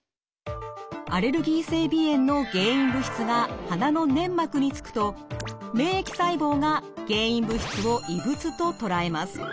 アレルギー性鼻炎の原因物質が鼻の粘膜につくと免疫細胞が原因物質を異物と捉えます。